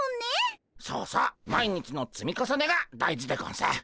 そうそう毎日の積み重ねが大事でゴンス。